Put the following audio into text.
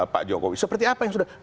pak jokowi seperti apa yang sudah